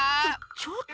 ちょっと。